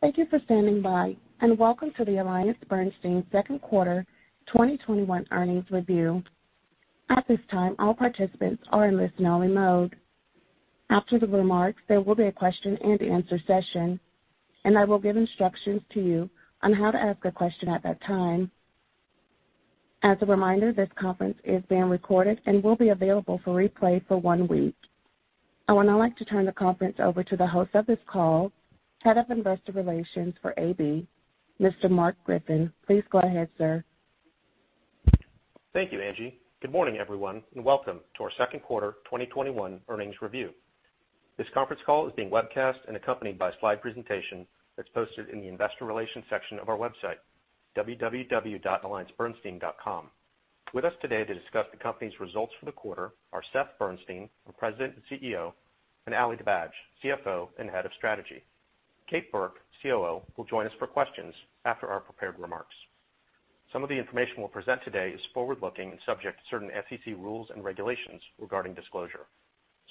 Thank you for standing by, and welcome to the AllianceBernstein second quarter 2021 earnings review. At this time, all participants are in listen-only mode. After the remarks, there will be a question and answer session, and I will give instructions to you on how to ask a question at that time. As a reminder, this conference is being recorded and will be available for replay for one week. I would now like to turn the conference over to the host of this call, Head of Investor Relations for AB, Mr. Mark Griffin. Please go ahead, sir. Thank you, Angie. Good morning, everyone, and welcome to our second quarter 2021 earnings review. This conference call is being webcast and accompanied by a slide presentation that's posted in the investor relations section of our website, www.alliancebernstein.com. With us today to discuss the company's results for the quarter are Seth Bernstein, our President and CEO, and Ali Dibadj, CFO and Head of Strategy. Kate Burke, COO, will join us for questions after our prepared remarks. Some of the information we'll present today is forward-looking and subject to certain SEC rules and regulations regarding disclosure.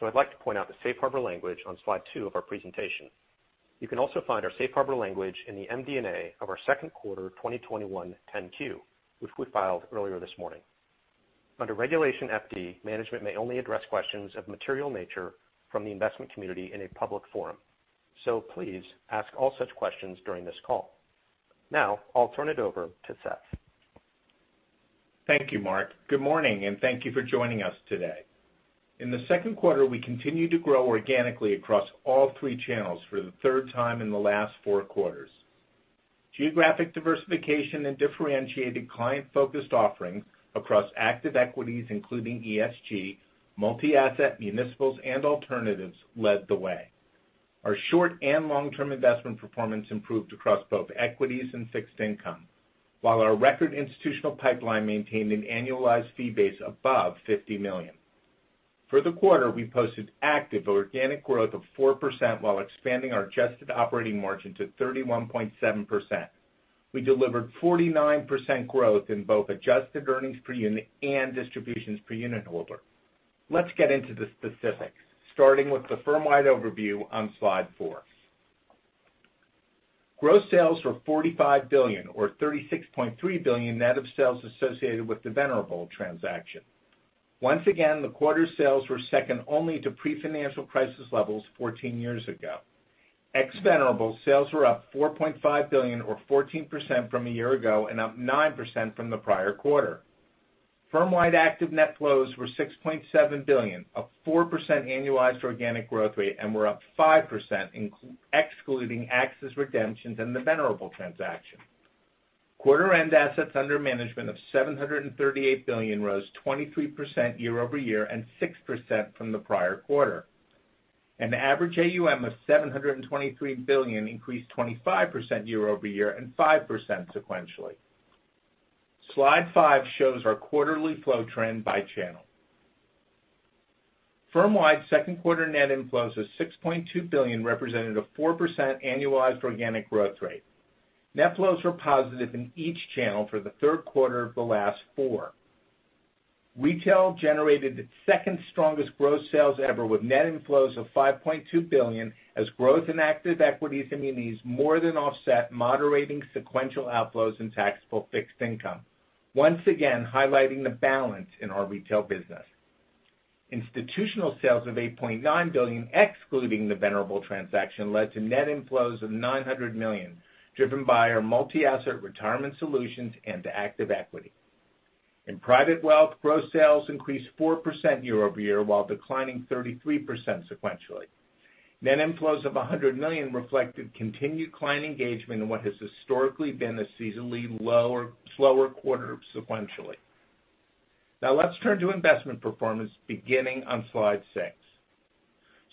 I'd like to point out the safe harbor language on slide two of our presentation. You can also find our safe harbor language in the MD&A of our second quarter 2021 10-Q, which we filed earlier this morning. Under Regulation FD, management may only address questions of material nature from the investment community in a public forum. Please ask all such questions during this call. Now, I'll turn it over to Seth. Thank you, Mark. Good morning, and thank you for joining us today. In the second quarter, we continued to grow organically across all three channels for the third time in the last four quarters. Geographic diversification and differentiated client-focused offerings across active equities, including ESG, multi-asset, municipals, and alternatives led the way. Our short and long-term investment performance improved across both equities and fixed income, while our record institutional pipeline maintained an annualized fee base above $50 million. For the quarter, we posted active organic growth of 4% while expanding our adjusted operating margin to 31.7%. We delivered 49% growth in both adjusted earnings per unit and distributions per unitholder. Let's get into the specifics, starting with the firm-wide overview on slide four. Gross sales were $45 billion, or $36.3 billion net of sales associated with the Venerable transaction. Once again, the quarter's sales were second only to pre-financial crisis levels 14 years ago. Ex Venerable, sales were up $4.5 billion or 14% from a year ago and up 9% from the prior quarter. Firm-wide active net flows were $6.7 billion, up 4% annualized organic growth rate, and were up 5% excluding AXA redemptions and the Venerable transaction. Quarter-end assets under management of $738 billion rose 23% year-over-year and 6% from the prior quarter. An average AUM of $723 billion increased 25% year-over-year and 5% sequentially. Slide five shows our quarterly flow trend by channel. Firm-wide second quarter net inflows of $6.2 billion represented a 4% annualized organic growth rate. Net flows were positive in each channel for the third quarter of the last four. Retail generated its second strongest gross sales ever with net inflows of $5.2 billion as growth in active equities and munis more than offset moderating sequential outflows in taxable fixed income, once again highlighting the balance in our retail business. Institutional sales of $8.9 billion, excluding the Venerable transaction, led to net inflows of $900 million, driven by our multi-asset retirement solutions and active equity. In Private Wealth, gross sales increased 4% year-over-year while declining 33% sequentially. Net inflows of $100 million reflected continued client engagement in what has historically been a seasonally slower quarter sequentially. Let's turn to investment performance, beginning on slide six.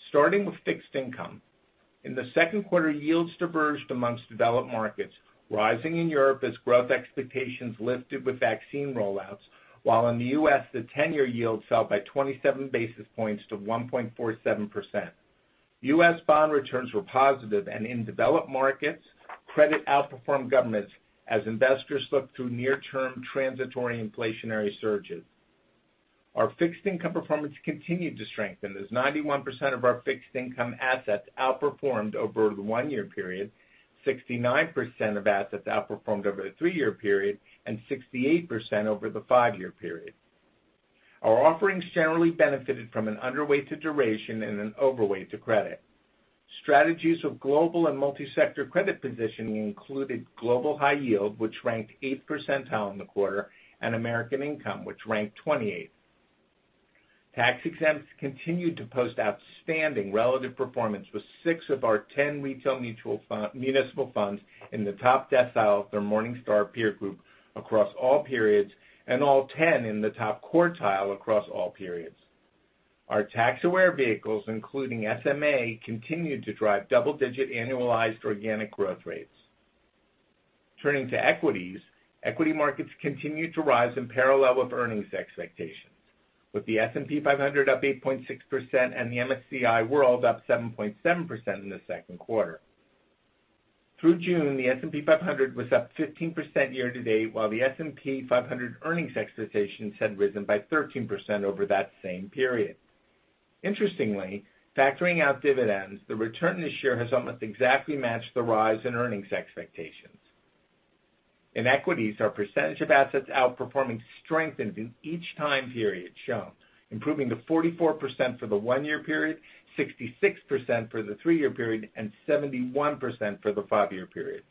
Starting with fixed income, in the second quarter, yields diverged amongst developed markets, rising in Europe as growth expectations lifted with vaccine rollouts, while in the U.S., the 10-year yield fell by 27 basis points to 1.47%. U.S. bond returns were positive, and in developed markets, credit outperformed governments as investors looked through near-term transitory inflationary surges. Our fixed income performance continued to strengthen, as 91% of our fixed income assets outperformed over the one year period, 69% of assets outperformed over the three year period, and 68% over the five year period. Our offerings generally benefited from an underweight to duration and an overweight to credit. Strategies of global and multi-sector credit positioning included Global High Yield, which ranked 8th percentile in the quarter, and American income, which ranked 28th. Tax-exempts continued to post outstanding relative performance with six of our 10 retail municipal funds in the top decile of their Morningstar peer group across all periods, and all 10 in the top quartile across all periods. Our tax-aware vehicles, including SMA, continued to drive double-digit annualized organic growth rates. Turning to equities, equity markets continued to rise in parallel with earnings expectations, with the S&P 500 up 8.6% and the MSCI World up 7.7% in the second quarter. Through June, the S&P 500 was up 15% year-to-date, while the S&P 500 earnings expectations had risen by 13% over that same period. Interestingly, factoring out dividends, the return this year has almost exactly matched the rise in earnings expectations. In equities, our percentage of assets outperforming strengthened in each time period shown, improving to 44% for the one-year period, 66% for the three-year period, and 71% for the five-year period.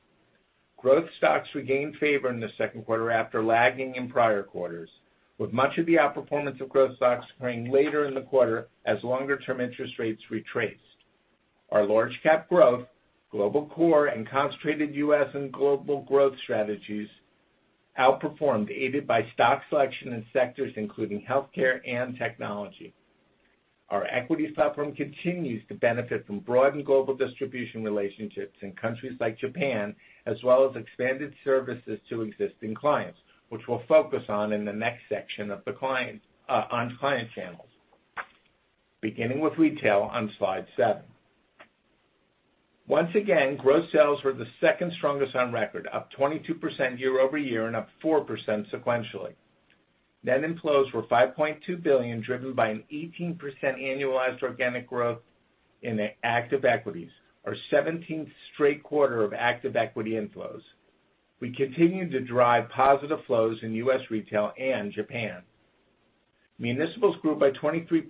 Growth stocks regained favor in the second quarter after lagging in prior quarters, with much of the outperformance of growth stocks occurring later in the quarter as longer-term interest rates retraced. Our Large-Cap Growth, global core, and concentrated U.S. and global growth strategies outperformed, aided by stock selection in sectors including healthcare and technology. Our equity platform continues to benefit from broadened global distribution relationships in countries like Japan, as well as expanded services to existing clients, which we'll focus on in the next section on client channels. Beginning with retail on slide seven. Once again, growth sales were the second strongest on record, up 22% year-over-year and up 4% sequentially. Net inflows were $5.2 billion, driven by an 18% annualized organic growth in the active equities, our 17th straight quarter of active equity inflows. We continue to drive positive flows in U.S. retail and Japan. Municipals grew by 23%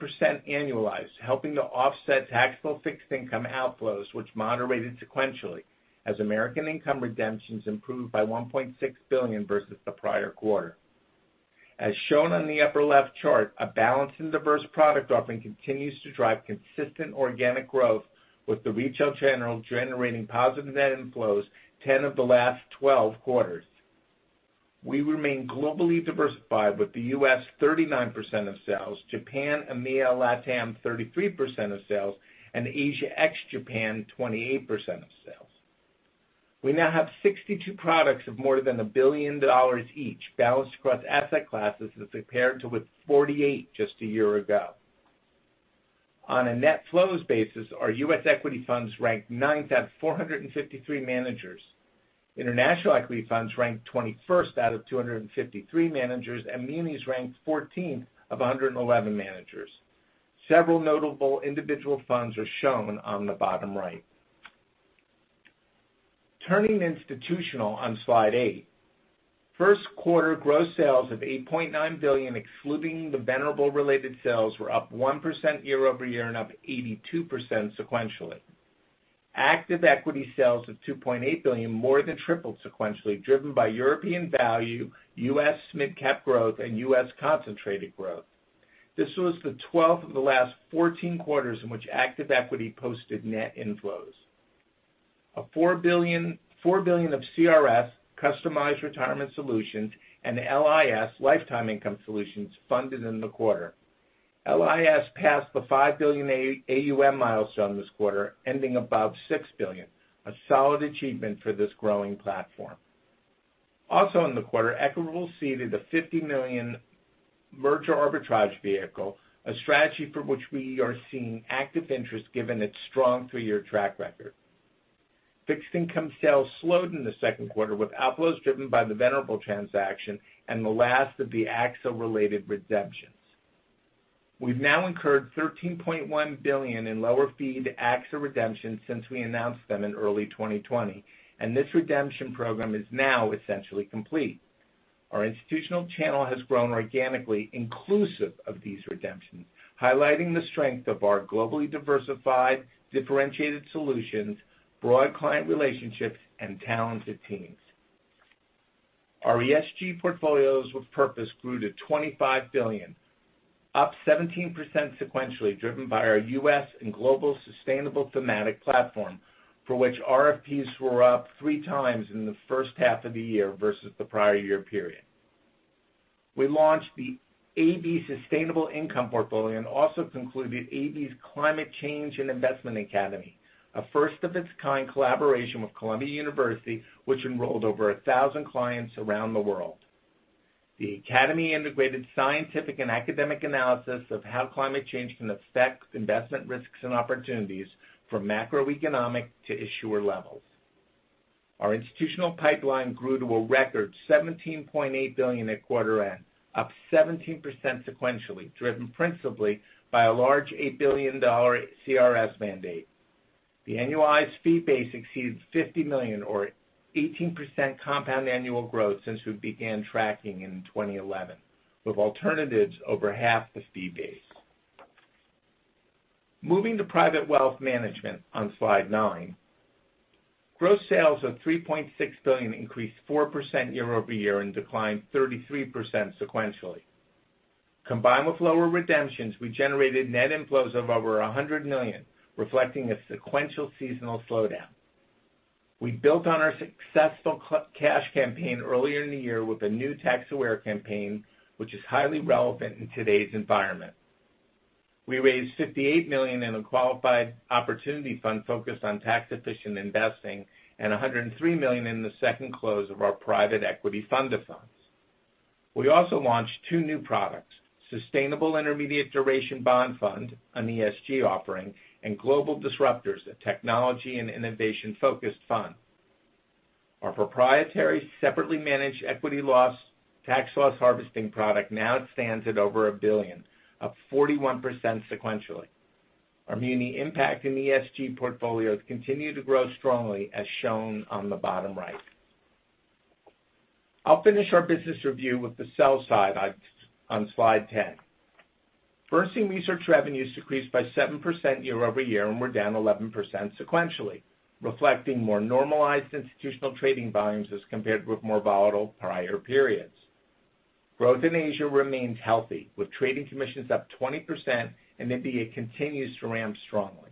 annualized, helping to offset taxable fixed income outflows, which moderated sequentially as American Income redemptions improved by $1.6 billion versus the prior quarter. As shown on the upper left chart, a balanced and diverse product offering continues to drive consistent organic growth, with the retail channel generating positive net inflows 10 of the last 12 quarters. We remain globally diversified, with the U.S. 39% of sales, Japan, EMEA, LatAm 33% of sales, and Asia ex-Japan 28% of sales. We now have 62 products of more than a billion dollars each balanced across asset classes as compared to with 48 just a year ago. On a net flows basis, our U.S. equity funds ranked ninth out of 453 managers. International equity funds ranked 21st out of 253 managers. Munis ranked 14th of 111 managers. Several notable individual funds are shown on the bottom right. Turning to institutional on Slide eight. First quarter gross sales of $8.9 billion, excluding the Venerable related sales, were up 1% year-over-year and up 82% sequentially. Active equity sales of $2.8 billion more than tripled sequentially, driven by European Value, U.S. Mid-Cap Growth, and U.S. Concentrated Growth. This was the 12th of the last 14 quarters in which active equity posted net inflows. A $4 billion of CRS, Customized Retirement Solutions, and LIS, Lifetime Income Solutions, funded in the quarter. LIS passed the $5 billion AUM milestone this quarter, ending above $6 billion, a solid achievement for this growing platform. Also in the quarter, Equitable seeded a $50 million merger arbitrage vehicle, a strategy for which we are seeing active interest given its strong three-year track record. Fixed income sales slowed in the second quarter, with outflows driven by the Venerable transaction and the last of the AXA-related redemptions. We've now incurred $13.1 billion in lower-fee to AXA redemptions since we announced them in early 2020, and this redemption program is now essentially complete. Our institutional channel has grown organically inclusive of these redemptions, highlighting the strength of our globally diversified, differentiated solutions, broad client relationships, and talented teams. Our ESG Portfolios with Purpose grew to $25 billion, up 17% sequentially, driven by our U.S. and global sustainable thematic platform, for which RFPs were up three times in the first half of the year versus the prior year period. We launched the AB Sustainable Income Portfolio and also concluded AB's Climate Change and Investment Academy, a first-of-its-kind collaboration with Columbia University, which enrolled over 1,000 clients around the world. The academy integrated scientific and academic analysis of how climate change can affect investment risks and opportunities from macroeconomic to issuer levels. Our institutional pipeline grew to a record $17.8 billion at quarter end, up 17% sequentially, driven principally by a large $8 billion CRS mandate. The annualized fee base exceeds $50 million or 18% compound annual growth since we began tracking in 2011, with alternatives over half the fee base. Moving to private wealth management on Slide nine. Gross sales of $3.6 billion increased 4% year-over-year and declined 33% sequentially. Combined with lower redemptions, we generated net inflows of over $100 million, reflecting a sequential seasonal slowdown. We built on our successful cash campaign earlier in the year with a new tax-aware campaign, which is highly relevant in today's environment. We raised $58 million in a qualified opportunity fund focused on tax-efficient investing and $103 million in the second close of our private equity fund of funds. We also launched two new products, Sustainable Intermediate Duration Bond Fund, an ESG offering, and Global Disruptors, a technology and innovation-focused fund. Our proprietary separately managed equity loss, tax loss harvesting product now stands at over $1 billion, up 41% sequentially. Our Muni impact and ESG portfolios continue to grow strongly, as shown on the bottom right. I'll finish our business review with the sell side on slide 10. Bernstein Research revenues decreased by 7% year-over-year and were down 11% sequentially, reflecting more normalized institutional trading volumes as compared with more volatile prior periods. Growth in Asia remains healthy, with trading commissions up 20%, and MBA continues to ramp strongly.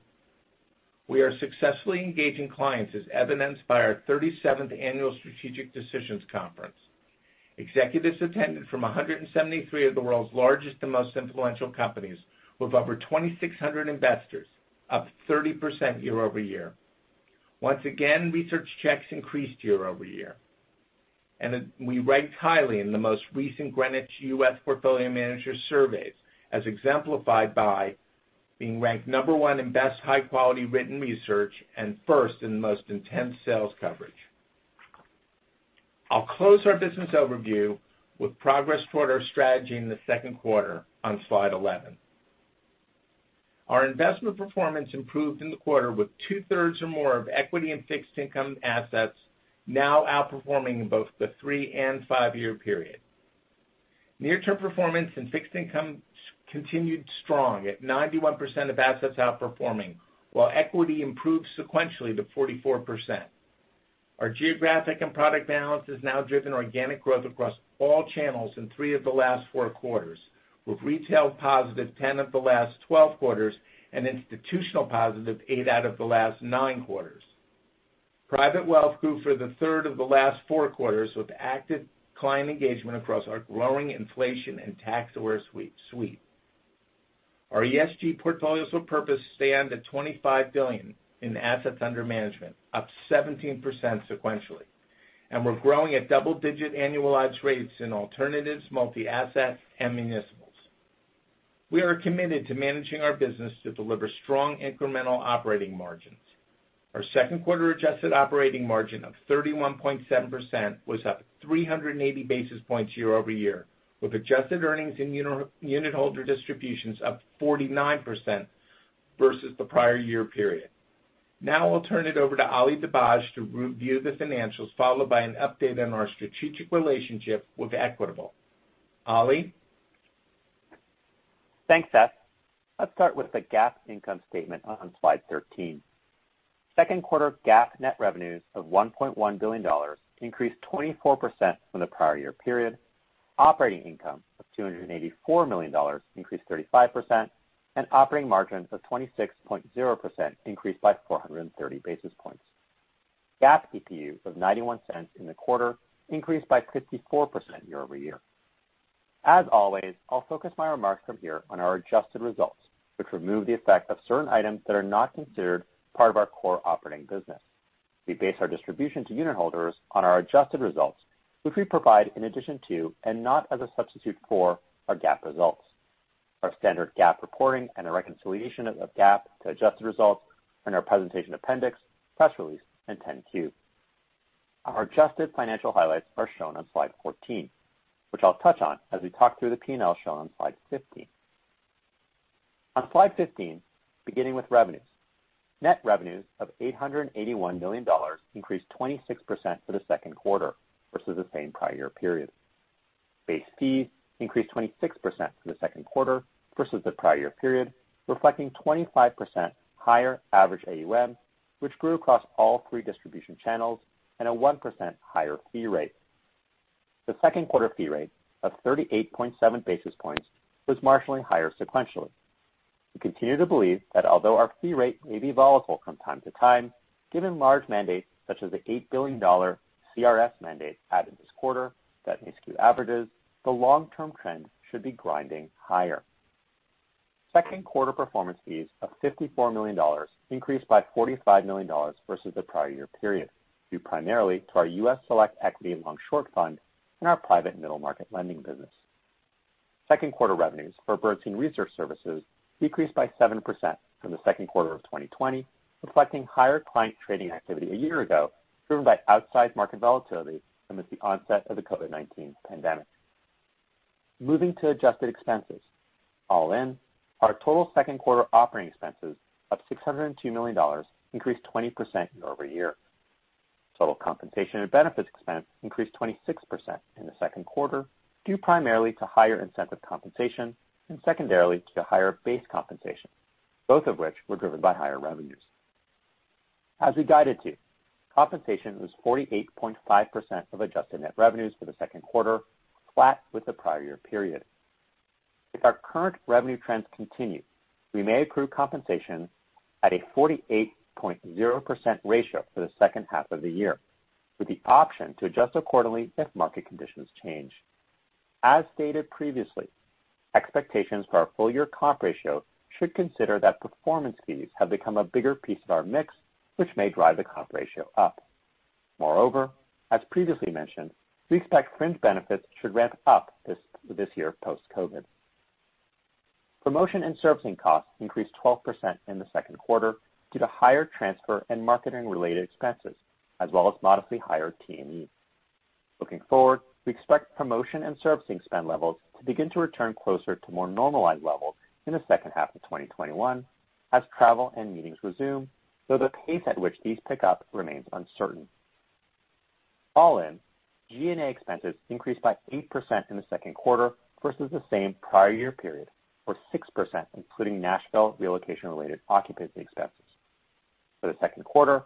We are successfully engaging clients as evidenced by our 37th annual Strategic Decisions Conference. Executives attended from 173 of the world's largest and most influential companies, with over 2,600 investors, up 30% year-over-year. Once again, research checks increased year-over-year. We ranked highly in the most recent Greenwich U.S. Portfolio Manager Surveys, as exemplified by being ranked number one in best high-quality written research and first in most intense sales coverage. I'll close our business overview with progress toward our strategy in the second quarter on slide 11. Our investment performance improved in the quarter with two-thirds or more of equity and fixed income assets now outperforming in both the three and five-year period. Near-term performance and fixed income continued strong at 91% of assets outperforming, while equity improved sequentially to 44%. Our geographic and product balance has now driven organic growth across all channels in 3 of the last 4 quarters, with retail positive 10 of the last 12 quarters and institutional +8 out of the last nine quarters. Private wealth grew for the 3rd of the last 4 quarters, with active client engagement across our growing inflation and tax-aware suite. Our ESG Portfolios with Purpose stand at $25 billion in assets under management, up 17% sequentially. We're growing at double-digit annualized rates in alternatives, multi-asset, and munis. We are committed to managing our business to deliver strong incremental operating margins. Our second quarter adjusted operating margin of 31.7% was up 380 basis points year-over-year, with adjusted earnings and unitholder distributions up 49% versus the prior year period. Now I'll turn it over to Ali Dibadj to review the financials, followed by an update on our strategic relationship with Equitable. Ali? Thanks, Seth. Let's start with the GAAP income statement on slide 13. Second quarter GAAP net revenues of $1.1 billion increased 24% from the prior year period. Operating income of $284 million increased 35%, and operating margins of 26.0% increased by 430 basis points. GAAP EPS of $0.91 in the quarter increased by 54% year-over-year. As always, I'll focus my remarks from here on our adjusted results, which remove the effect of certain items that are not considered part of our core operating business. We base our distribution to unit holders on our adjusted results, which we provide in addition to, and not as a substitute for, our GAAP results. Our standard GAAP reporting and a reconciliation of GAAP to adjusted results are in our presentation appendix, press release, and 10-Q. Our adjusted financial highlights are shown on slide 14, which I'll touch on as we talk through the P&L shown on slide 15. On slide 15, beginning with revenues. Net revenues of $881 million increased 26% for the second quarter versus the same prior year period. Base fees increased 26% for the second quarter versus the prior year period, reflecting 25% higher average AUM, which grew across all three distribution channels and a 1% higher fee rate. The second quarter fee rate of 38.7 basis points was marginally higher sequentially. We continue to believe that although our fee rate may be volatile from time to time, given large mandates such as the $8 billion CRS mandate added this quarter that may skew averages, the long-term trend should be grinding higher. Second quarter performance fees of $54 million increased by $45 million versus the prior year period, due primarily to our US Select Equity Long/ Short Fund and our private middle market lending business. Second quarter revenues for Bernstein Research Services decreased by 7% from the second quarter of 2020, reflecting higher client trading activity a year ago, driven by outsized market volatility amidst the onset of the COVID-19 pandemic. Moving to adjusted expenses. All in, our total second quarter operating expenses of $602 million increased 20% year-over-year. Total compensation and benefits expense increased 26% in the second quarter, due primarily to higher incentive compensation and secondarily to higher base compensation, both of which were driven by higher revenues. As we guided to, compensation was 48.5% of adjusted net revenues for the second quarter, flat with the prior year period. If our current revenue trends continue, we may accrue compensation at a 48.0% ratio for the second half of the year, with the option to adjust accordingly if market conditions change. As stated previously, expectations for our full-year comp ratio should consider that performance fees have become a bigger piece of our mix, which may drive the comp ratio up. As previously mentioned, we expect fringe benefits should ramp up this year post-COVID. Promotion and servicing costs increased 12% in the second quarter due to higher transfer and marketing-related expenses, as well as modestly higher T&E. Looking forward, we expect promotion and servicing spend levels to begin to return closer to more normalized levels in the second half of 2021 as travel and meetings resume, though the pace at which these pick up remains uncertain. All in, G&A expenses increased by 8% in the second quarter versus the same prior year period, or 6% including Nashville relocation-related occupancy expenses. For the second quarter,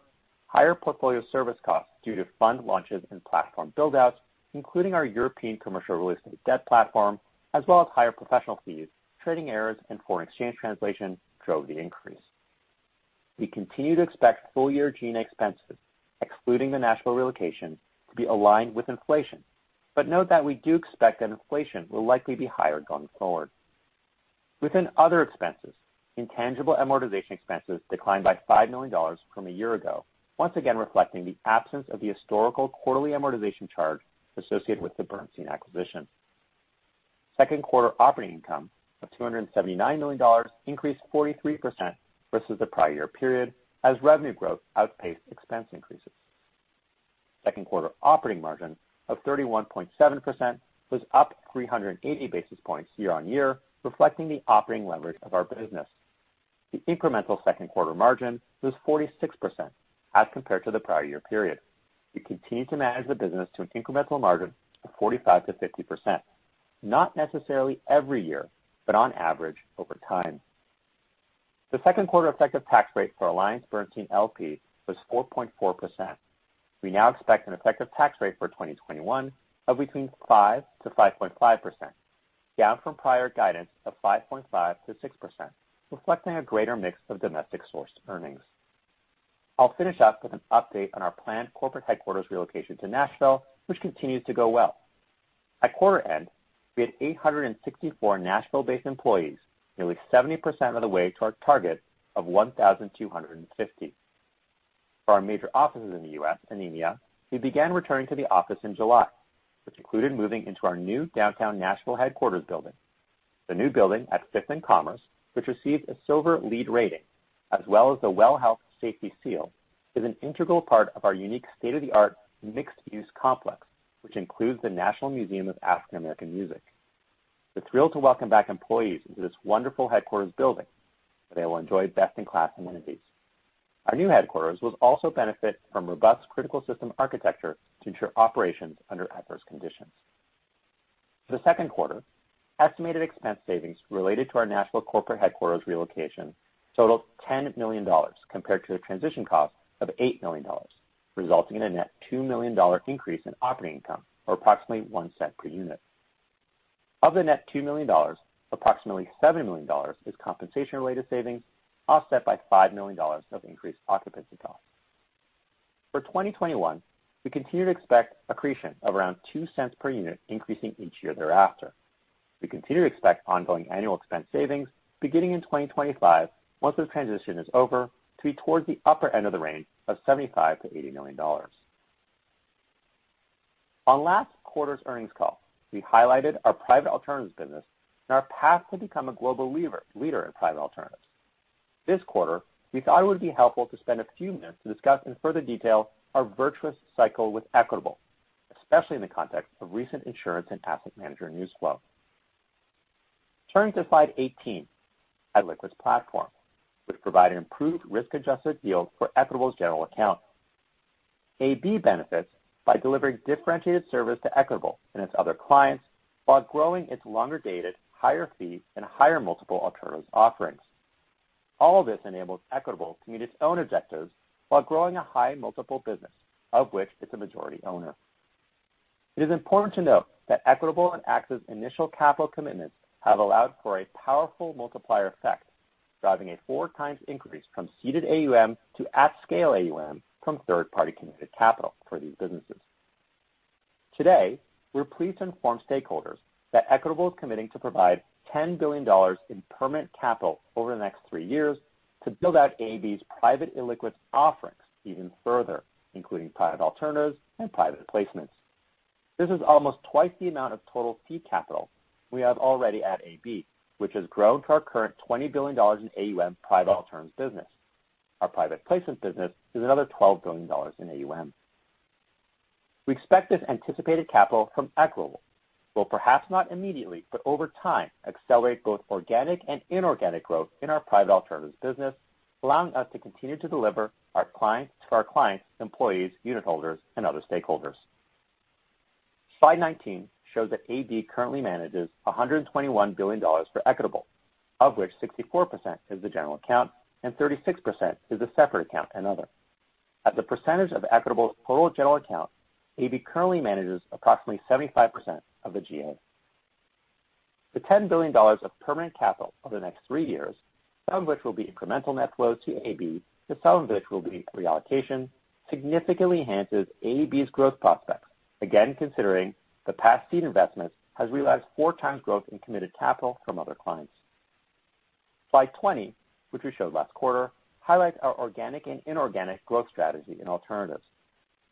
higher portfolio service costs due to fund launches and platform buildouts, including our European Commercial Real Estate Debt platform, as well as higher professional fees, trading errors, and foreign exchange translation drove the increase. We continue to expect full year G&A expenses, excluding the Nashville relocation, to be aligned with inflation, but note that we do expect that inflation will likely be higher going forward. Within other expenses, intangible amortization expenses declined by $5 million from a year ago, once again reflecting the absence of the historical quarterly amortization charge associated with the Bernstein acquisition. Second quarter operating income of $279 million increased 43% versus the prior year period as revenue growth outpaced expense increases. Second quarter operating margin of 31.7% was up 380 basis points year-on-year, reflecting the operating leverage of our business. The incremental second quarter margin was 46% as compared to the prior year period. We continue to manage the business to an incremental margin of 45%-50%, not necessarily every year, but on average over time. The second quarter effective tax rate for AllianceBernstein L.P. was 4.4%. We now expect an effective tax rate for 2021 of between 5%-5.5%, down from prior guidance of 5.5%-6%, reflecting a greater mix of domestic source earnings. I'll finish up with an update on our planned corporate headquarters relocation to Nashville, which continues to go well. At quarter end, we had 864 Nashville-based employees, nearly 70% of the way to our target of 1,250. For our major offices in the U.S. and EMEA, we began returning to the office in July, which included moving into our new downtown Nashville headquarters building. The new building at Fifth and Commerce, which receives a Silver LEED rating as well as the WELL Health-Safety seal, is an integral part of our unique state-of-the-art mixed-use complex, which includes the National Museum of African American Music. It's thrilled to welcome back employees into this wonderful headquarters building where they will enjoy best-in-class amenities. Our new headquarters will also benefit from robust critical system architecture to ensure operations under adverse conditions. For the second quarter, estimated expense savings related to our national corporate headquarters relocation totaled $10 million compared to the transition cost of $8 million, resulting in a net $2 million increase in operating income or approximately $0.01 per unit. Of the net $2 million, approximately $7 million is compensation related savings, offset by $5 million of increased occupancy costs. For 2021, we continue to expect accretion of around $0.02 per unit increasing each year thereafter. We continue to expect ongoing annual expense savings beginning in 2025, once this transition is over, to be towards the upper end of the range of $75 million-$80 million. On last quarter's earnings call, we highlighted our private alternatives business and our path to become a global leader in private alternatives. This quarter, we thought it would be helpful to spend a few minutes to discuss in further detail our virtuous cycle with Equitable, especially in the context of recent insurance and asset manager news flow. Turning to slide 18. Illiquid platform, which provide an improved risk-adjusted yield for Equitable's general account. AB benefits by delivering differentiated service to Equitable and its other clients while growing its longer-dated, higher-fee, and higher-multiple alternatives offerings. All this enables Equitable to meet its own objectives while growing a high-multiple business, of which it's a majority owner. It is important to note that Equitable and AXA's initial capital commitments have allowed for a powerful multiplier effect, driving a four times increase from seeded AUM to at-scale AUM from third-party committed capital for these businesses. Today, we're pleased to inform stakeholders that Equitable is committing to provide $10 billion in permanent capital over the next 3 years to build out AB's private illiquid offerings even further, including private alternatives and private placements. This is almost twice the amount of total fee capital we have already at AB, which has grown to our current $20 billion in AUM private alternatives business. Our private placement business is another $12 billion in AUM. We expect this anticipated capital from Equitable will perhaps not immediately, but over time, accelerate both organic and inorganic growth in our private alternatives business, allowing us to continue to deliver to our clients, employees, unitholders, and other stakeholders. Slide 19 shows that AB currently manages $121 billion for Equitable, of which 64% is the general account and 36% is a separate account and other. As a percentage of Equitable's total general account, AB currently manages approximately 75% of the GA. The $10 billion of permanent capital over the next three years. Some of which will be incremental net flows to AB, and some of which will be reallocation, significantly enhances AB's growth prospects. Again, considering the past seed investments has realized four times growth in committed capital from other clients. Slide 20, which we showed last quarter, highlights our organic and inorganic growth strategy in alternatives.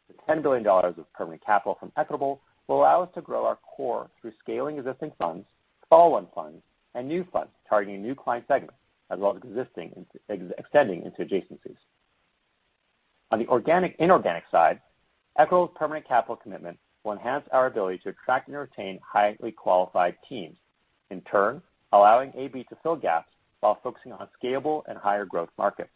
The $10 billion of permanent capital from Equitable will allow us to grow our core through scaling existing funds, follow-on funds, and new funds targeting new client segments, as well as existing, extending into adjacencies. On the organic-inorganic side, Equitable's permanent capital commitment will enhance our ability to attract and retain highly qualified teams, in turn allowing AB to fill gaps while focusing on scalable and higher growth markets.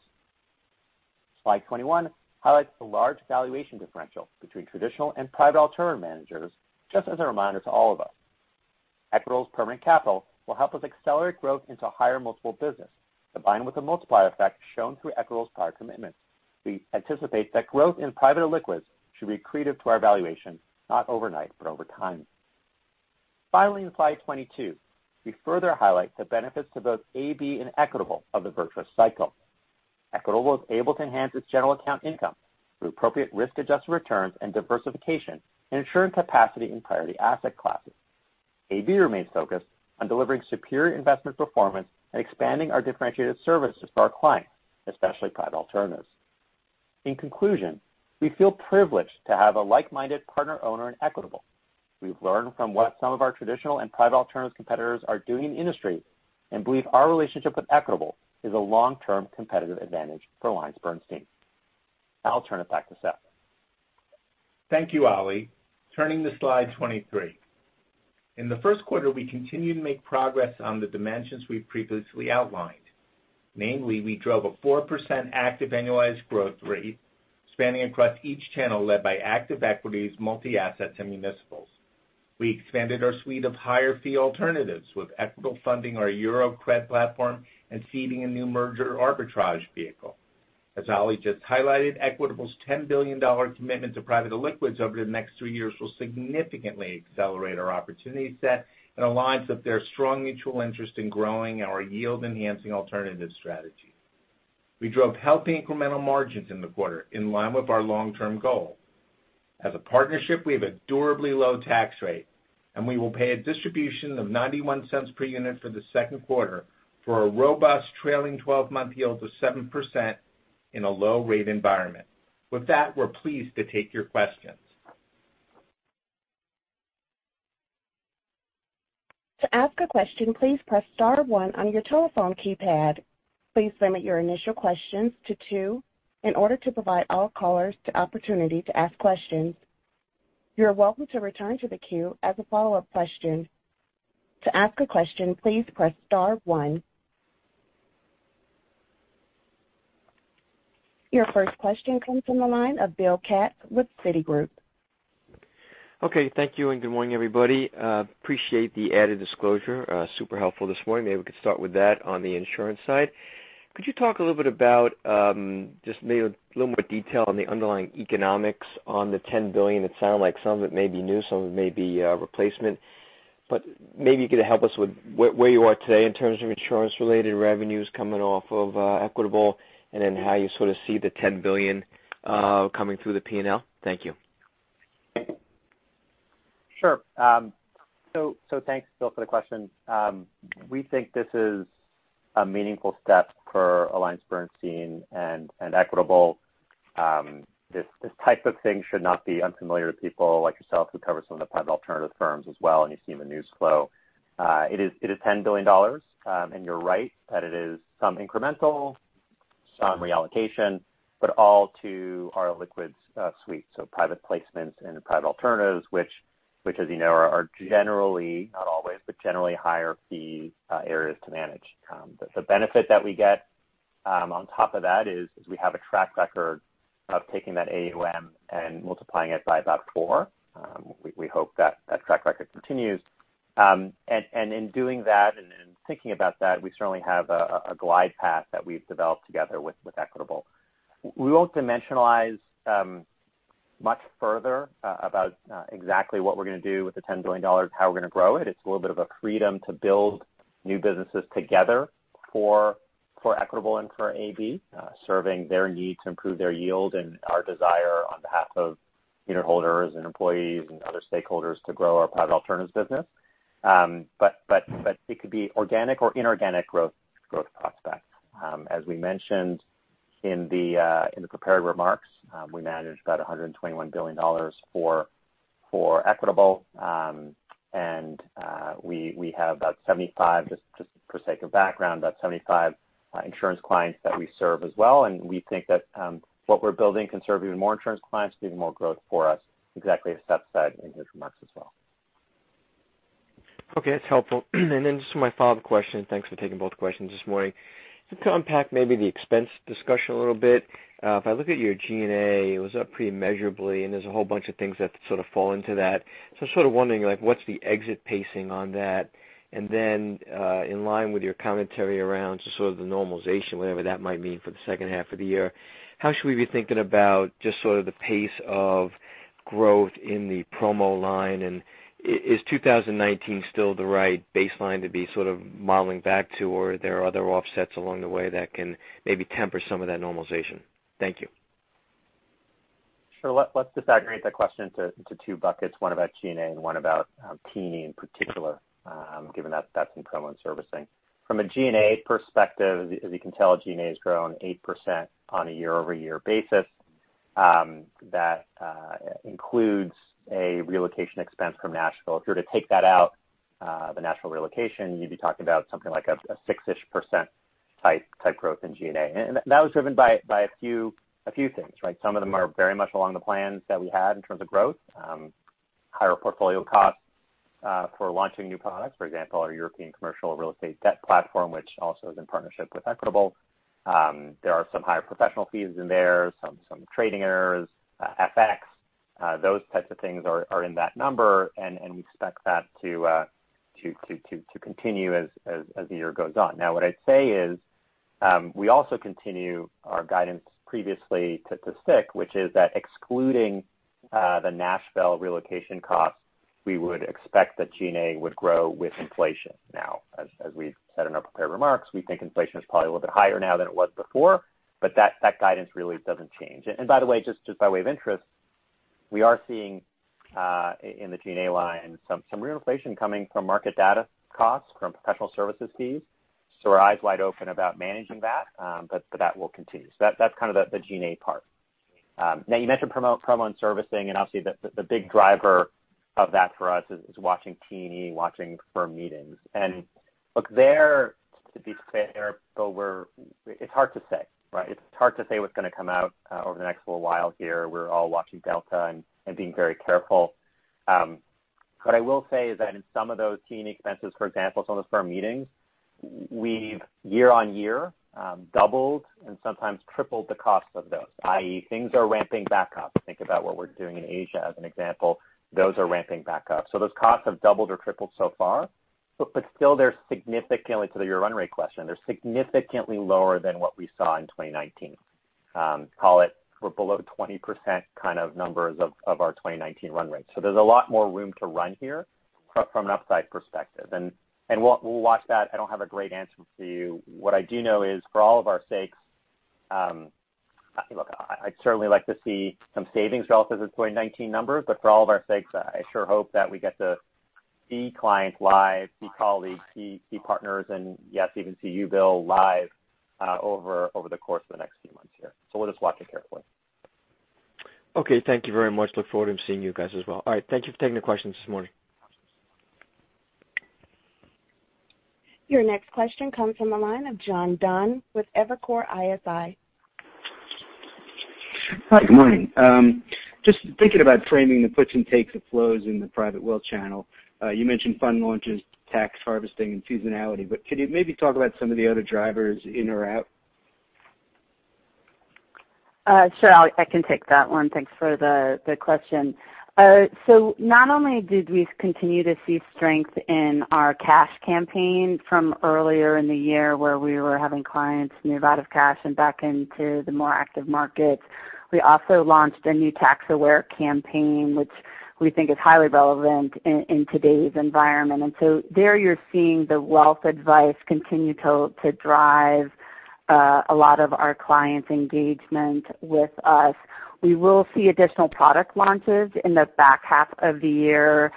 Slide 21 highlights the large valuation differential between traditional and private alternate managers, just as a reminder to all of us. Equitable's permanent capital will help us accelerate growth into higher multiple business, combined with the multiplier effect shown through Equitable's prior commitments. We anticipate that growth in private illiquids should be accretive to our valuation, not overnight, but over time. Finally, in slide 22, we further highlight the benefits to both AB and Equitable of the virtuous cycle. Equitable was able to enhance its general account income through appropriate risk-adjusted returns and diversification in ensuring capacity in priority asset classes. AB remains focused on delivering superior investment performance and expanding our differentiated services to our clients, especially private alternatives. In conclusion, we feel privileged to have a like-minded partner owner in Equitable. We've learned from what some of our traditional and private alternatives competitors are doing in the industry, and believe our relationship with Equitable is a long-term competitive advantage for AllianceBernstein. I'll turn it back to Seth. Thank you, Ali. Turning to slide 23. In the first quarter, we continued to make progress on the dimensions we've previously outlined. Namely, we drove a 4% active annualized growth rate spanning across each channel led by active equities, multi-assets, and municipals. We expanded our suite of higher fee alternatives with Equitable funding our Euro CRE Debt platform and seeding a new merger arbitrage vehicle. As Ali just highlighted, Equitable's $10 billion commitment to private illiquids over the next three years will significantly accelerate our opportunity set and aligns with their strong mutual interest in growing our yield-enhancing alternative strategy. We drove healthy incremental margins in the quarter in line with our long-term goal. As a partnership, we have a durably low tax rate, and we will pay a distribution of $0.91 per unit for the second quarter for a robust trailing 12-month yield of 7% in a low rate environment. With that, we're pleased to take your questions. To ask a question please press star one on your telephone key pad.please send your initial question to two inorder to provide our caller's the opportunity to ask question. You are welcome to return to the queue as a follow-up question. To ask a question please press star one. Your first question comes from the line of Bill Katz with Citigroup. Okay, thank you, and good morning, everybody. Appreciate the added disclosure. Super helpful this morning. Maybe we could start with that on the insurance side. Could you talk a little bit about, just maybe a little more detail on the underlying economics on the $10 billion? It sounded like some of it may be new, some of it may be replacement. Maybe you could help us with where you are today in terms of insurance-related revenues coming off of Equitable, and then how you sort of see the $10 billion coming through the P&L. Thank you. Sure. Thanks, Bill Katz, for the question. We think this is a meaningful step for AllianceBernstein and Equitable. This type of thing should not be unfamiliar to people like yourself who cover some of the private alternative firms as well, and you've seen the news flow. It is $10 billion. You're right that it is some incremental, some reallocation, but all to our liquids suite, so private placements and private alternatives, which, as you know, are generally, not always, but generally higher fee areas to manage. The benefit that we get on top of that is we have a track record of taking that AUM and multiplying it by about four. We hope that track record continues. In doing that and in thinking about that, we certainly have a glide path that we've developed together with Equitable. We won't dimensionalize much further about exactly what we're going to do with the $10 billion, how we're going to grow it. It's a little bit of a freedom to build new businesses together for Equitable and for AB, serving their need to improve their yield and our desire on behalf of unitholders and employees and other stakeholders to grow our private alternatives business. It could be organic or inorganic growth prospects. As we mentioned in the prepared remarks, we manage about $121 billion for Equitable. We have about 75, just for sake of background, about 75 insurance clients that we serve as well. We think that what we're building can serve even more insurance clients, giving more growth for us, exactly as Seth said in his remarks as well. Okay. That's helpful. Then just my follow-up question, thanks for taking both questions this morning. To unpack maybe the expense discussion a little bit. If I look at your G&A, it was up pretty immeasurably, and there's a whole bunch of things that sort of fall into that. I'm sort of wondering, like, what's the exit pacing on that? Then in line with your commentary around just sort of the normalization, whatever that might mean for the second half of the year, how should we be thinking about just sort of the pace of growth in the promo line. Is 2019 still the right baseline to be sort of modeling back to or are there other offsets along the way that can maybe temper some of that normalization? Thank you. Sure. Let's just aggregate that question into two buckets, one about G&A and one about T&E in particular, given that that's in promo and servicing. From a G&A perspective, as you can tell, G&A has grown 8% on a year-over-year basis. That includes a relocation expense from Nashville. If you were to take that out, the Nashville relocation, you'd be talking about something like a six ish% type growth in G&A. That was driven by a few things. Some of them are very much along the plans that we had in terms of growth, higher portfolio costs for launching new products, for example, our European Commercial Real Estate Debt platform, which also is in partnership with Equitable. There are some higher professional fees in there, some trading errors, FX, those types of things are in that number, and we expect that to continue as the year goes on. What I'd say is we also continue our guidance previously to stick which is that excluding the Nashville relocation costs, we would expect that G&A would grow with inflation. As we've said in our prepared remarks, we think inflation is probably a little bit higher now than it was before, but that guidance really doesn't change. By the way, just by way of interest, we are seeing in the G&A line some real inflation coming from market data costs, from professional services fees. We're eyes wide open about managing that, but that will continue. That's kind of the G&A part. You mentioned promo and servicing, and obviously the big driver of that for us is watching T&E, watching firm meetings. Look, there, to be fair, Bill, it's hard to say. It's hard to say what's going to come out over the next little while here. We're all watching Delta and being very careful. What I will say is that in some of those T&E expenses, for example, some of the firm meetings, we've year-on-year doubled and sometimes tripled the cost of those, i.e., things are ramping back up. Think about what we're doing in Asia as an example. Those are ramping back up. Those costs have doubled or tripled so far, but still they're significantly, to the year run rate question, they're significantly lower than what we saw in 2019. Call it we're below 20% kind of numbers of our 2019 run rate. There's a lot more room to run here from an upside perspective. We'll watch that. I don't have a great answer for you. What I do know is for all of our sakes, look, I'd certainly like to see some savings relative to 2019 numbers. For all of our sakes, I sure hope that we get to see clients live, see colleagues, see partners, and yes, even see you, Bill, live over the course of the next few months here. We'll just watch it carefully. Okay. Thank you very much. Look forward to seeing you guys as well. All right. Thank you for taking the questions this morning. Your next question comes from the line of John Dunn with Evercore ISI. Hi, good morning. Just thinking about framing the puts and takes of flows in the private wealth channel. Could you maybe talk about some of the other drivers in or out? Sure. I can take that one. Thanks for the question. Not only did we continue to see strength in our cash campaign from earlier in the year where we were having clients move out of cash and back into the more active markets, we also launched a new tax-aware campaign, which we think is highly relevant in today's environment. There you're seeing the wealth advice continue to drive a lot of our clients' engagement with us. We will see additional product launches in the back half of the year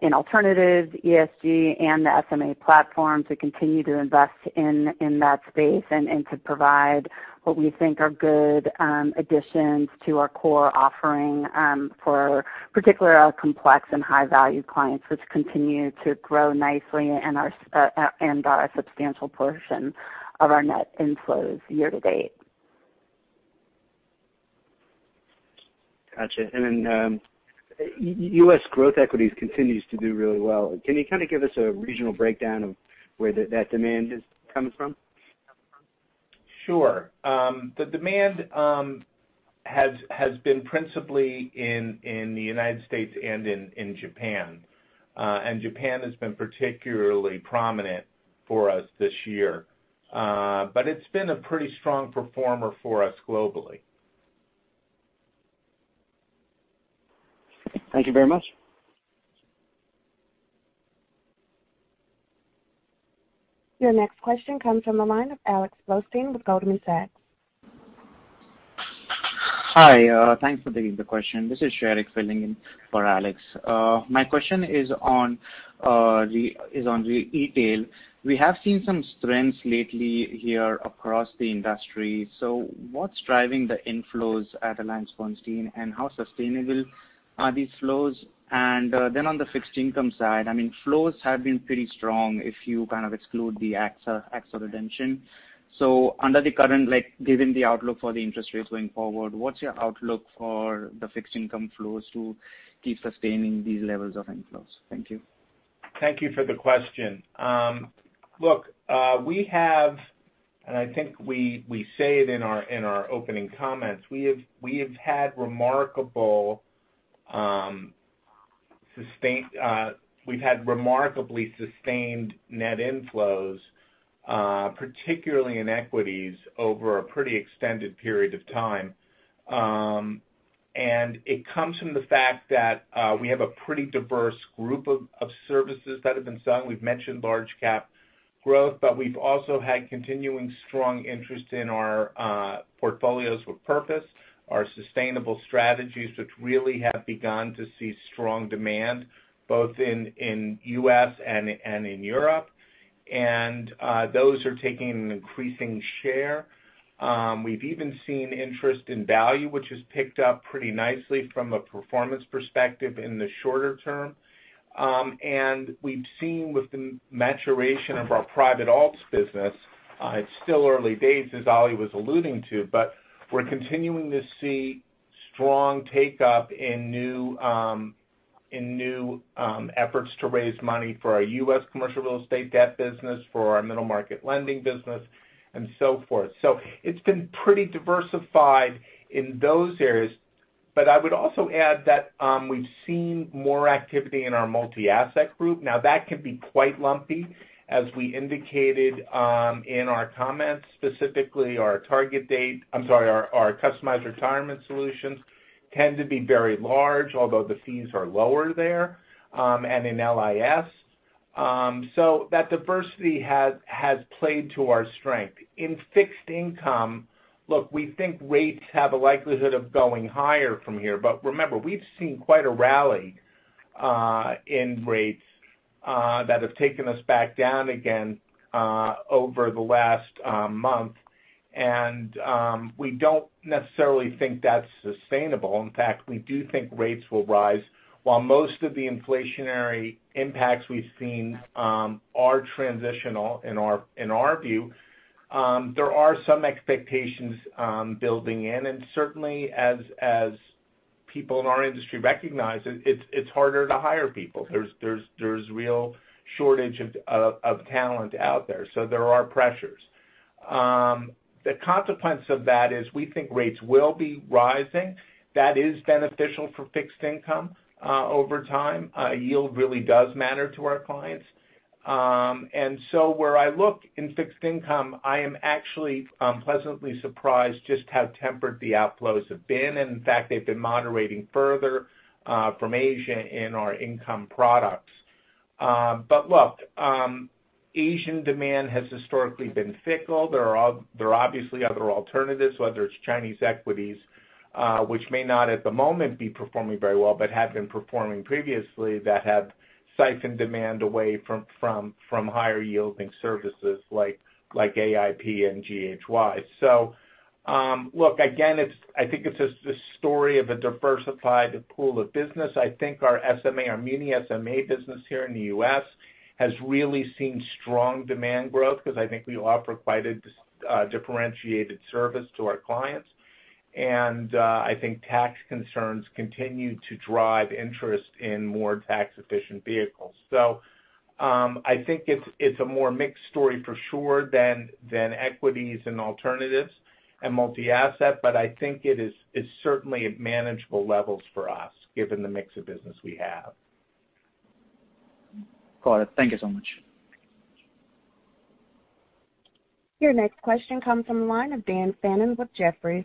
in alternatives, ESG, and the SMA platform to continue to invest in that space and to provide what we think are good additions to our core offering for particularly our complex and high-value clients, which continue to grow nicely and are a substantial portion of our net inflows year to date. Got you. U.S. growth equities continues to do really well. Can you kind of give us a regional breakdown of where that demand is coming from? Sure. The demand has been principally in the U.S. and in Japan. Japan has been particularly prominent for us this year. It's been a pretty strong performer for us globally. Thank you very much. Your next question comes from the line of Alex Blostein with Goldman Sachs. Hi. Thanks for taking the question. This is Sharik filling in for Alex. My question is on retail. We have seen some strengths lately here across the industry. What's driving the inflows at AllianceBernstein, and how sustainable are these flows? On the fixed income side, flows have been pretty strong if you kind of exclude the AXA redemption. Under the current, given the outlook for the interest rates going forward, what's your outlook for the fixed income flows to keep sustaining these levels of inflows? Thank you. Thank you for the question. Look, we've had remarkably sustained net inflows, particularly in equities, over a pretty extended period of time. It comes from the fact that we have a pretty diverse group of services that have been selling. We've mentioned Large-Cap Growth, but we've also had continuing strong interest in our Portfolios with Purpose, our sustainable strategies, which really have begun to see strong demand both in U.S. and in Europe. Those are taking an increasing share. We've even seen interest in value, which has picked up pretty nicely from a performance perspective in the shorter term. We've seen with the maturation of our private alts business, it's still early days, as Ali was alluding to, but we're continuing to see strong take-up in new efforts to raise money for our U.S. Commercial Real Estate Debt business, for our middle market lending business, and so forth. It's been pretty diversified in those areas. I would also add that we've seen more activity in our multi-asset group. Now, that can be quite lumpy, as we indicated in our comments, specifically our Customized Retirement Solutions tend to be very large, although the fees are lower there, and in LIS. That diversity has played to our strength. In fixed income, look, we think rates have a likelihood of going higher from here. Remember, we've seen quite a rally in rates that have taken us back down again over the last month. We don't necessarily think that's sustainable. In fact, we do think rates will rise. While most of the inflationary impacts we've seen are transitional in our view, there are some expectations building in. Certainly as people in our industry recognize it's harder to hire people. There's real shortage of talent out there. There are pressures. The consequence of that is we think rates will be rising. That is beneficial for fixed income over time. Yield really does matter to our clients. Where I look in fixed income, I am actually pleasantly surprised just how tempered the outflows have been. In fact, they've been moderating further from Asia in our income products. Look, Asian demand has historically been fickle. There are obviously other alternatives, whether it's Chinese equities which may not at the moment be performing very well, but have been performing previously, that have siphoned demand away from higher yielding services like AIP and GHY. Look, again, I think it's the story of a diversified pool of business. I think our SMA, our muni SMA business here in the U.S. has really seen strong demand growth because I think we offer quite a differentiated service to our clients. I think tax concerns continue to drive interest in more tax-efficient vehicles. I think it's a more mixed story for sure than equities and alternatives and multi-asset. I think it is certainly at manageable levels for us given the mix of business we have. Got it. Thank you so much. Your next question comes from the line of Daniel Fannon with Jefferies.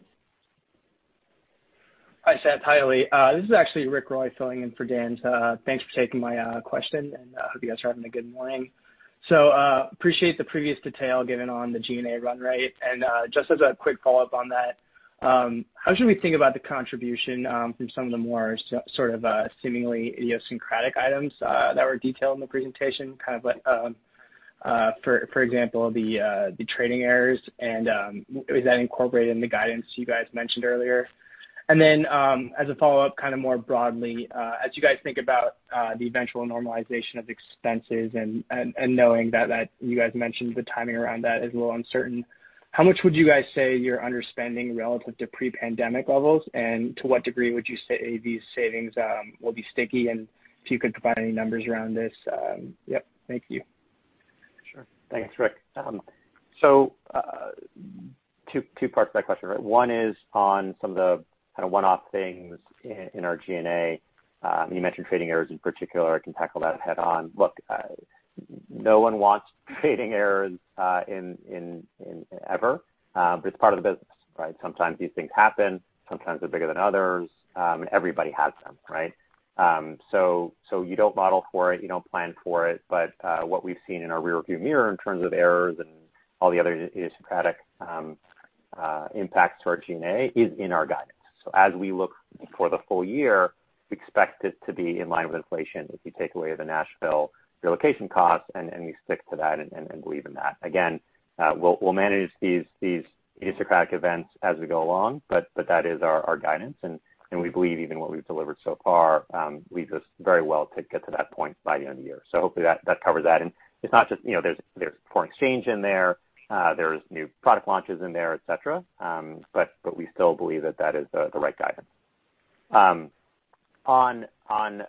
Hi, Seth Bernstein, Hi, Ali Dibadj. This is actually Ritwik Roy filling in for Daniel Fannon. Thanks for taking my question, and I hope you guys are having a good morning. Appreciate the previous detail given on the G&A run rate. Just as a quick follow-up on that, how should we think about the contribution from some of the more sort of seemingly idiosyncratic items that were detailed in the presentation? For example, the trading errors and was that incorporated in the guidance you guys mentioned earlier? As a follow-up, kind of more broadly, as you guys think about the eventual normalization of expenses and knowing that you guys mentioned the timing around that is a little uncertain, how much would you guys say you're underspending relative to pre-pandemic levels? To what degree would you say these savings will be sticky? If you could provide any numbers around this. Yep. Thank you. Sure. Thanks, Ritwik Roy. two parts to that question, right? One is on some of the kind of one-off things in our G&A. You mentioned trading errors in particular. I can tackle that head on. Look, no one wants trading errors in ever. It's part of the business, right? Sometimes these things happen. Sometimes they're bigger than others. Everybody has them, right? You don't model for it, you don't plan for it. What we've seen in our rearview mirror in terms of errors and all the other idiosyncratic impacts to our G&A is in our guidance. As we look for the full year, we expect it to be in line with inflation if you take away the Nashville relocation costs and we stick to that and believe in that. Again, we'll manage these idiosyncratic events as we go along. That is our guidance, and we believe even what we've delivered so far leaves us very well to get to that point by the end of the year. Hopefully that covers that. There's foreign exchange in there's new product launches in there, et cetera. We still believe that that is the right guidance. On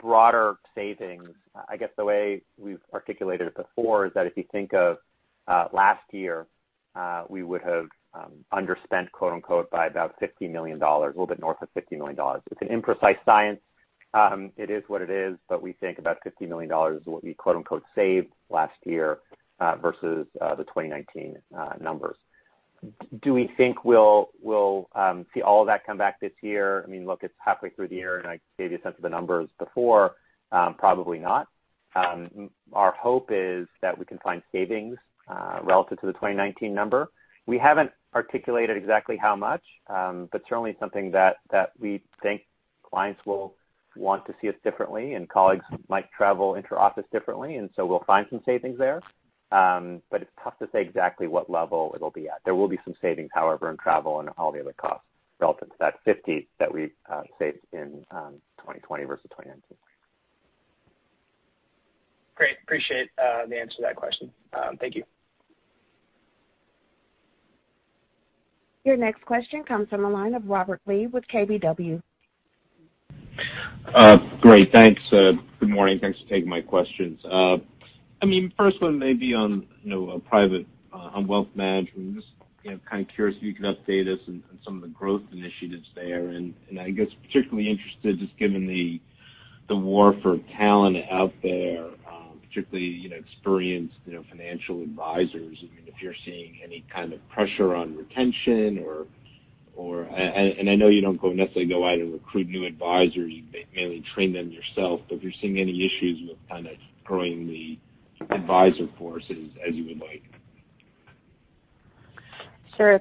broader savings, I guess the way we've articulated it before is that if you think of last year, we would have underspent, quote-unquote, by about $50 million, a little bit north of $50 million. It's an imprecise science. It is what it is, but we think about $50 million is what we, quote-unquote, "saved" last year versus the 2019 numbers. Do we think we'll see all of that come back this year? Look, it's halfway through the year, and I gave you a sense of the numbers before. Probably not. Our hope is that we can find savings relative to the 2019 number. We haven't articulated exactly how much, but certainly something that we think clients will want to see us differently, and colleagues might travel inter-office differently, and so we'll find some savings there. It's tough to say exactly what level it'll be at. There will be some savings, however, in travel and all the other costs relative to that $50 that we saved in 2020 versus 2019. Great. Appreciate the answer to that question. Thank you. Your next question comes from the line of Robert Lee with KBW. Great. Thanks. Good morning. Thanks for taking my questions. First one may be on private, on wealth management. Just kind of curious if you could update us on some of the growth initiatives there, and I guess particularly interested, just given the war for talent out there, particularly experienced financial advisors, if you're seeing any kind of pressure on retention. I know you don't necessarily go out and recruit new advisors, you mainly train them yourself, but if you're seeing any issues with growing the advisor force as you would like.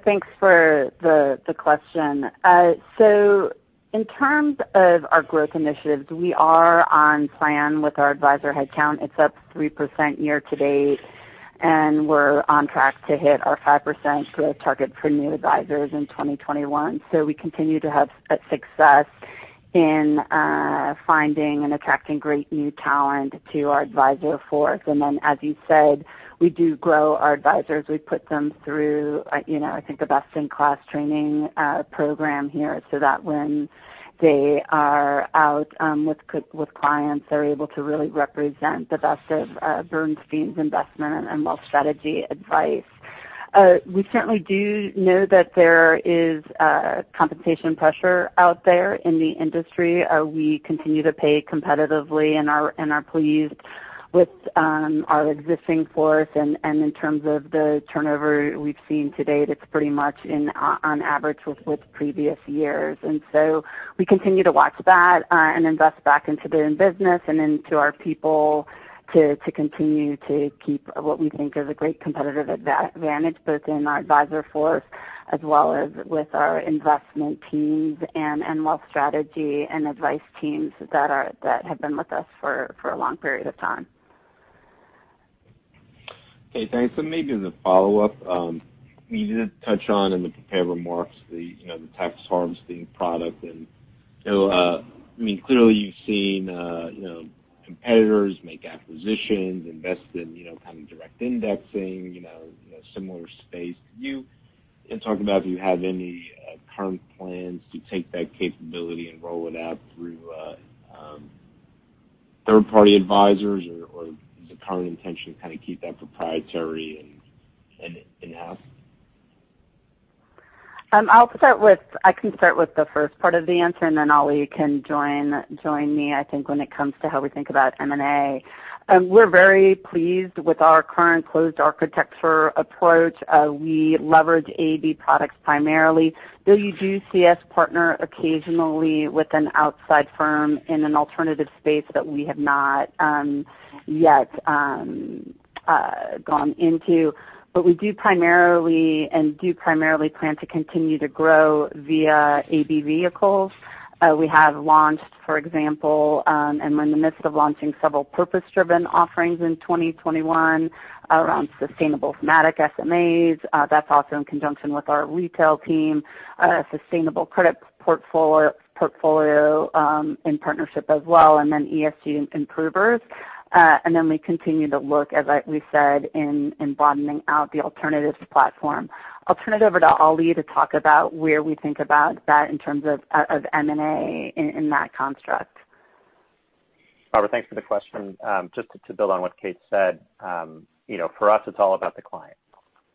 Thanks for the question. In terms of our growth initiatives, we are on plan with our advisor headcount. It's up 3% year to date, and we're on track to hit our 5% growth target for new advisors in 2021. We continue to have success in finding and attracting great new talent to our advisor force. As you said, we do grow our advisors. We put them through, I think, a best-in-class training program here, so that when they are out with clients, they're able to really represent the best of Bernstein's investment and wealth strategy advice. We certainly do know that there is compensation pressure out there in the industry. We continue to pay competitively and are pleased with our existing force. In terms of the turnover we've seen to date, it's pretty much on average with previous years. We continue to watch that and invest back into the business and into our people to continue to keep what we think is a great competitive advantage, both in our advisor force as well as with our investment teams and wealth strategy and advice teams that have been with us for a long period of time. Okay, thanks. Maybe as a follow-up, you did touch on, in the prepared remarks, the tax harvesting product. Clearly you've seen competitors make acquisitions, invest in direct indexing, similar space to you. Can you talk about, do you have any current plans to take that capability and roll it out through third-party advisors, or is the current intention to keep that proprietary and in-house? I can start with the first part of the answer. Ali can join me, I think, when it comes to how we think about M&A. We're very pleased with our current closed architecture approach. We leverage AB products primarily, though you do see us partner occasionally with an outside firm in an alternative space that we have not yet gone into. We do primarily, and do primarily plan to continue to grow via AB vehicles. We have launched, for example. We're in the midst of launching several purpose-driven offerings in 2021 around sustainable thematic SMAs. That's also in conjunction with our retail team, a sustainable credit portfolio in partnership as well. ESG improvers. We continue to look, as we said, in broadening out the alternatives platform. I'll turn it over to Ali to talk about where we think about that in terms of M&A in that construct. Robert, thanks for the question. Just to build on what Kate said, for us, it's all about the client,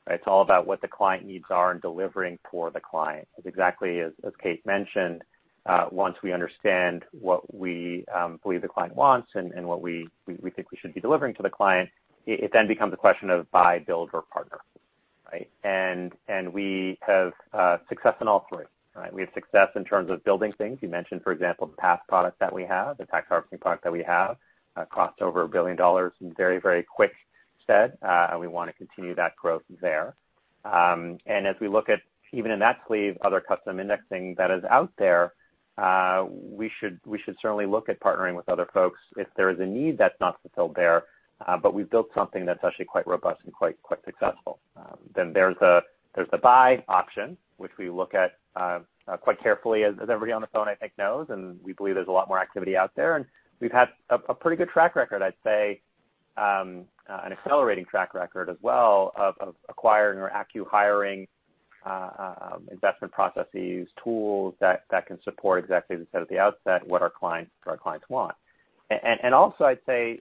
right? It's all about what the client needs are and delivering for the client. It's exactly as Kate mentioned. Once we understand what we believe the client wants and what we think we should be delivering to the client, it then becomes a question of buy, build or partner, right? We have success in all three, right? We have success in terms of building things. You mentioned, for example, the AIP product that we have, the tax harvesting product that we have, crossed over $1 billion in very quick stead. We want to continue that growth there. As we look at, even in that sleeve, other custom indexing that is out there, we should certainly look at partnering with other folks if there is a need that's not fulfilled there. We've built something that's actually quite robust and quite successful. There's the buy option, which we look at quite carefully, as everybody on the phone, I think, knows, and we believe there's a lot more activity out there. We've had a pretty good track record, I'd say, an accelerating track record as well, of acquiring or acqui-hiring investment processes, tools that can support exactly, as I said at the outset, what our clients want. Also, I'd say,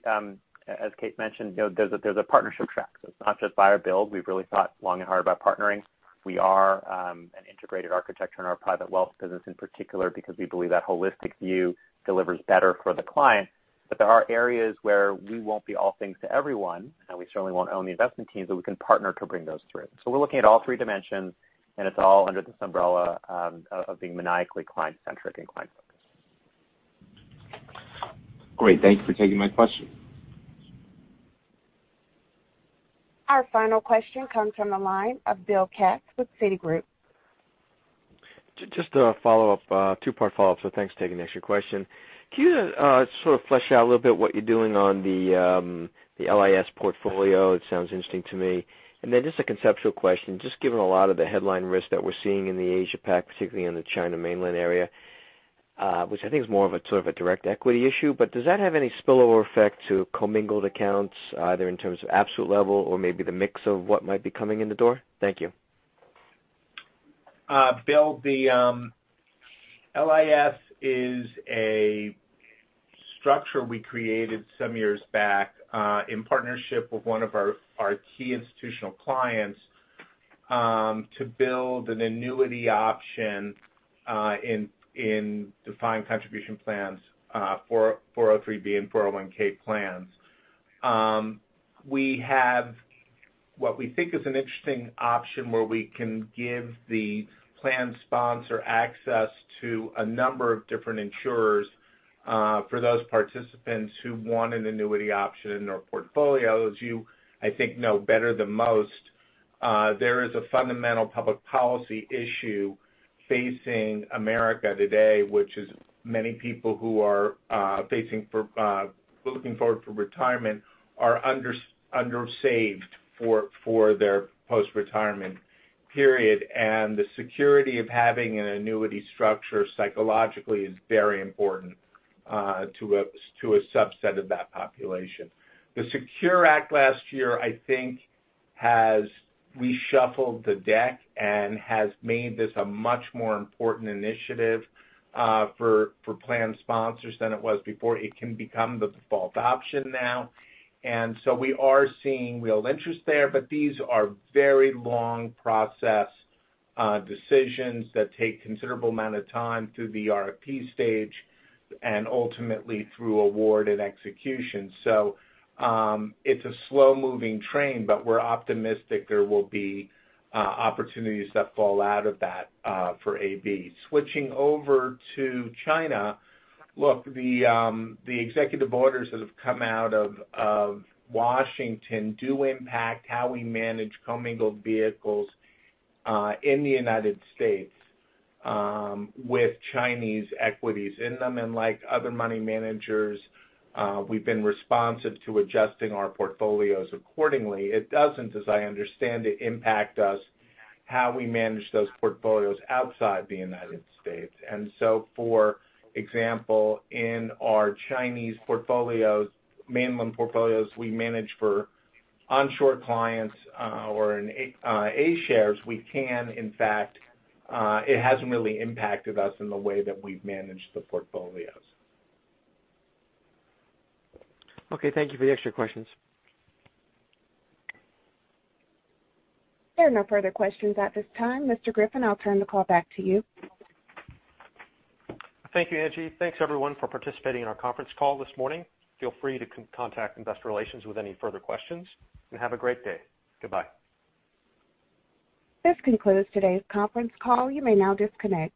as Kate mentioned, there's a partnership track. It's not just buy or build. We've really thought long and hard about partnering. We are an integrated architecture in our private wealth business in particular, because we believe that holistic view delivers better for the client. There are areas where we won't be all things to everyone, and we certainly won't own the investment teams, but we can partner to bring those through. We're looking at all three dimensions, and it's all under this umbrella of being maniacally client-centric and client-focused. Great. Thank you for taking my question. Our final question comes from the line of Bill Katz with Citigroup. A two-part follow-up, thanks for taking the extra question. Can you sort of flesh out a little bit what you're doing on the LIS portfolio? It sounds interesting to me. Just a conceptual question. Given a lot of the headline risks that we're seeing in the Asia-Pac, particularly in the China mainland area, which I think is more of a sort of a direct equity issue, does that have any spillover effect to commingled accounts, either in terms of absolute level or maybe the mix of what might be coming in the door? Thank you. Bill, the LIS is a structure we created some years back, in partnership with one of our key institutional clients, to build an annuity option in defined contribution plans, 403(b) and 401(k) plans. We have what we think is an interesting option where we can give the plan sponsor access to a number of different insurers for those participants who want an annuity option in their portfolios. You, I think know better than most, there is a fundamental public policy issue facing America today, which is many people who are looking forward for retirement are under-saved for their post-retirement period. The security of having an annuity structure psychologically is very important to a subset of that population. The SECURE Act last year, I think, has reshuffled the deck and has made this a much more important initiative for plan sponsors than it was before. It can become the default option now. We are seeing real interest there, but these are very long process decisions that take considerable amount of time through the RFP stage and ultimately through award and execution. It's a slow-moving train, but we're optimistic there will be opportunities that fall out of that for AB. Switching over to China. Look, the executive orders that have come out of Washington do impact how we manage commingled vehicles in the U.S. with Chinese equities in them. Like other money managers, we've been responsive to adjusting our portfolios accordingly. It doesn't, as I understand it, impact us how we manage those portfolios outside the U.S. For example, in our Chinese portfolios, mainland portfolios we manage for onshore clients or in A-shares, we can, in fact, it hasn't really impacted us in the way that we've managed the portfolios. Okay, thank you for the extra questions. There are no further questions at this time. Mr. Griffin, I'll turn the call back to you. Thank you, Angie. Thanks, everyone, for participating in our conference call this morning. Feel free to contact investor relations with any further questions, and have a great day. Goodbye. This concludes today's conference call. You may now disconnect.